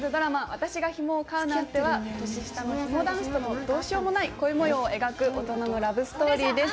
「私がヒモを飼うなんて」は、年下のヒモ男子とのどうしようもない恋模様を描く大人のラブストーリーです。